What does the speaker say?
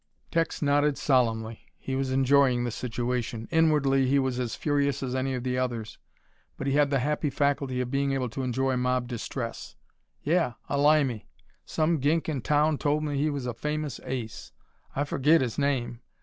Tex nodded solemnly. He was enjoying the situation. Inwardly, he was as furious as any of the others, but he had the happy faculty of being able to enjoy mob distress. "Yeah, a Limey! Some gink in town told me he was a famous ace. I forget his name.